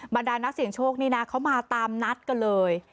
ดานักเสียงโชคนี่นะเขามาตามนัดกันเลย